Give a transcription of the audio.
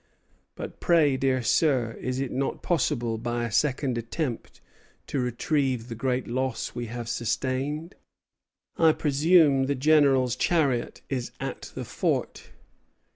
But pray, dear sir, is it not possible by a second attempt to retrieve the great loss we have sustained? I presume the General's chariot is at the fort.